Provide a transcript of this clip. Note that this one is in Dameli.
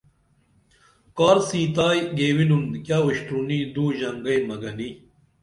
کارڅِیتائی گیوِنُن کیہ اُشترونی دو ژنگئمہ گنی